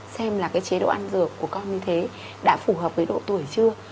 xem là cái chế độ ăn dược của con như thế đã phù hợp với độ tuổi chưa